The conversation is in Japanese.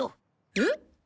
えっ？